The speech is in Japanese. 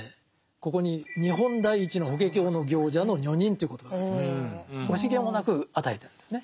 ここに「日本第一の『法華経』の行者の女人」という言葉がありますが惜しげもなく与えてるんですね。